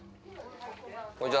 こんにちは。